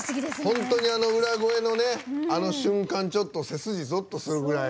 本当に裏声のあの瞬間ちょっと背筋ぞっとするぐらい。